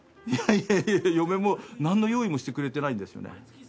いやいや嫁も何の用意もしてくれてないんですよね。